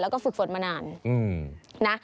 แล้วก็ฝึกฝนมานานนะ